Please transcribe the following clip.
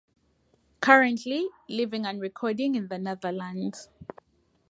Currently, living and recording in the Netherlands.